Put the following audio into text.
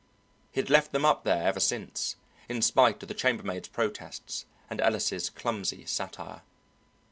He had left them up there ever since, in spite of the chambermaid's protests and Ellis' clumsy satire.